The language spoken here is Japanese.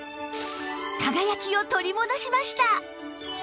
輝きを取り戻しました